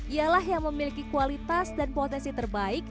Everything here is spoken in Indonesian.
ialah yang memiliki kualitas dan potensi terbaik